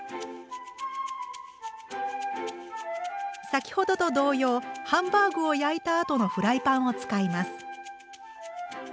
先ほどと同様ハンバーグを焼いたあとのフライパンを使います。